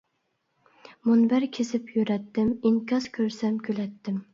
مۇنبەر كېزىپ يۈرەتتىم، ئىنكاس كۆرسەم كۈلەتتىم.